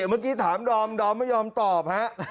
เมื่อกี้ถามดอมดอมไม่ยอมตอบฮะ